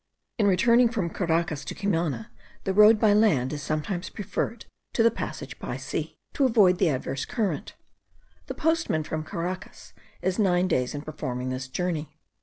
In returning from Caracas to Cumana, the road by land is sometimes preferred to the passage by sea, to avoid the adverse current. The postman from Caracas is nine days in performing this journey.